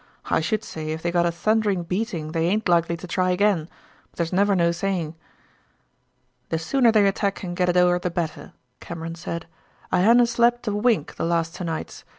I should say if they got a thundering beating they aint likely to try again; but there's never no saying." "The sooner they attack and get it o'er the better," Cameron said. "I hae na slept a wink the last twa nights.